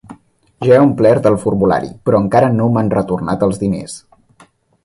Ja he omplert el formulari, però encara no m'han retornat els diners.